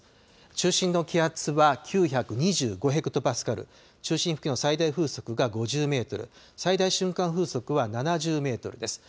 中心の気圧は９２５ヘクトパスカル、中心付近の最大風速が５０メートル、最大瞬間風速は７０メートルです。